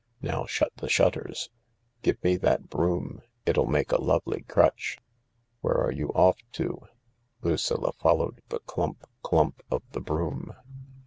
Now shut the shutters. Give me that broom — it'll make a lovely crutch." " Where are you off to ?" Lucilla followed the clump, clump of the broom.